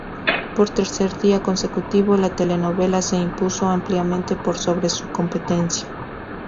Por tercer día consecutivo, la telenovela se impuso ampliamente por sobre su competencia.